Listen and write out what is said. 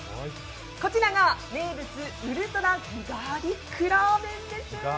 こちらが名物、ウルトラギガーリックらーめんです。